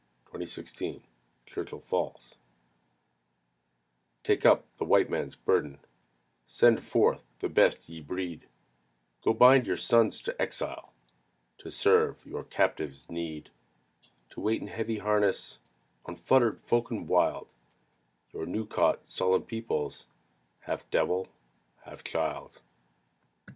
VII THE WHITE MAN'S BURDEN 1899 Take up the White Man's burden Send forth the best ye breed Go bind your sons to exile To serve your captives' need; To wait in heavy harness, On fluttered folk and wild Your new caught, sullen peoples, Half devil and half child.